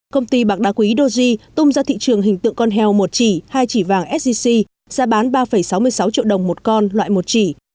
công ty bạc đá quý doji tung ra thị trường hình tượng con heo một chỉ hai chỉ vàng sgc giá bán ba sáu mươi sáu triệu đồng một con loại một chỉ